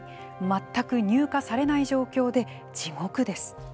全く入荷されない状況で地獄です。